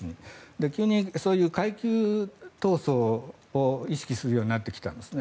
そういう階級闘争を意識するようになってきたんですね。